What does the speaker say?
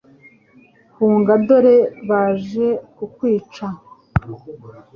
Hunga dore baje kukwica